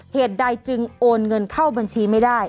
เหตุใดจึงโอนเงินเข้าบัญชีไม่ได้